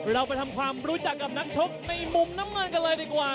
เราไปทำความรู้จักกับนักชกในมุมน้ำเงินกันเลยดีกว่า